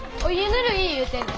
ぬるい言うてんで。